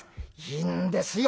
「いいんですよ。